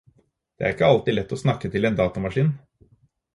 Det er ikke alltid lett å snakke til en datamaskin.